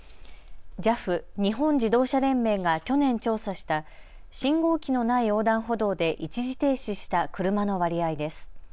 ＪＡＦ・日本自動車連盟が去年、調査した信号機のない横断歩道で一時停止した車の割合です。